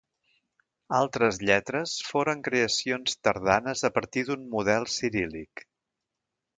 Altres lletres foren creacions tardanes a partir d'un model ciríl·lic.